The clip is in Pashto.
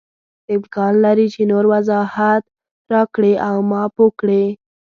امکان لري چې نور وضاحت راکړې او ما پوه کړې.